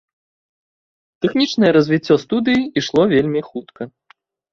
Тэхнічнае развіццё студыі ішло вельмі хутка.